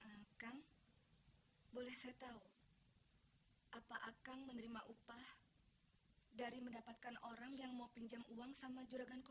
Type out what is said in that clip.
hai akan boleh saya tahu hai apa akan menerima upah dari mendapatkan orang yang mau pinjam uang sama jura ganjur